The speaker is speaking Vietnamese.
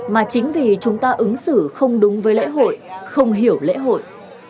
mà chính vì chúng ta ứng xử không đúng với lễ hội không hiểu lễ hội